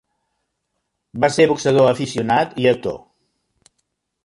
Va ser boxador aficionat i actor.